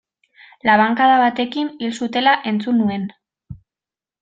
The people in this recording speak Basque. Labankada batekin hil zutela entzun nuen.